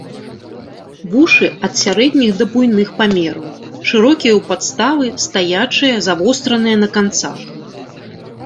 Вушы ад сярэдніх да буйных памераў, шырокія ў падставы, стаячыя, завостраныя на канцах.